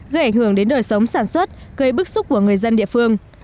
gây ảnh hưởng đến đời sống sản xuất gây bức xúc của người dân địa phương